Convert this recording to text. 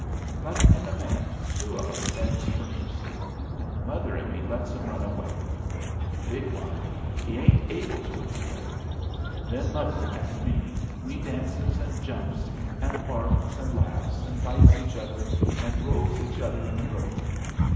But in a minute two of 'em begs for mercy, and mother and me lets 'em run away. The big one he ain't able to run away. Then mother and me we dances and jumps, and barks and laughs, and bites each other and rolls each other in the road.